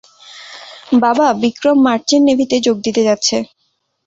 বাবা, বিক্রম মার্চেন্ট নেভিতে যোগ দিতে যাচ্ছে।